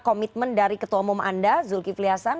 komitmen dari ketua umum anda zulkifli hasan